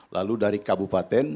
lalu dari kabupaten